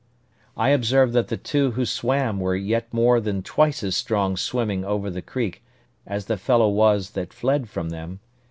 I observed that the two who swam were yet more than twice as strong swimming over the creek as the fellow was that fled from them.